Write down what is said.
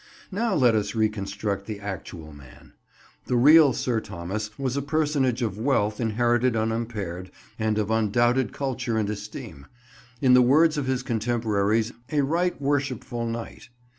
Now let us reconstruct the actual man. The real Sir Thomas was a personage of wealth inherited unimpaired, and of undoubted culture and esteem: in the words of his contemporaries a "right worshipful knight."